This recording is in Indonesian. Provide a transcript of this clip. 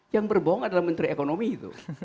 yang berbohong adalah menteri ekonomi itu